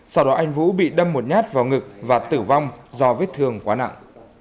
sau đó anh vũ bị đâm một nhát vào ngực và tử vong do vết thương quá nặng